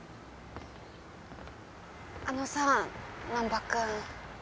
あのさ難破君。